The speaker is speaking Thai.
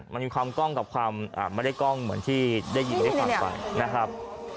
มันมีความกล้องกับความไม่ได้กล้องเหมือนที่ได้ยินได้ฟังไปนะครับ